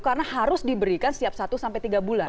karena harus diberikan setiap satu sampai tiga bulan